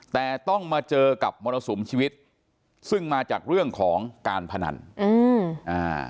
แต่ต้องมาเจอกับมรสุมชีวิตซึ่งมาจากเรื่องของการพนันอืมอ่า